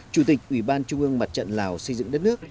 chủ tịch ủy ban trung ương mặt trận lào xây dựng đất nước